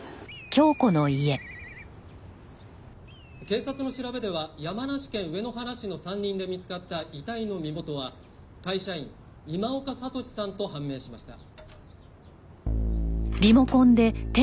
「警察の調べでは山梨県上野原市の山林で見つかった遺体の身元は会社員今岡智司さんと判明しました」